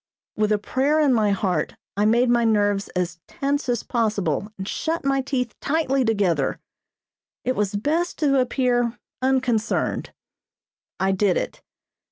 With a prayer in my heart I made my nerves as tense as possible and shut my teeth tightly together. It was best to appear unconcerned. I did it.